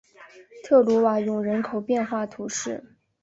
特鲁瓦永人口变化图示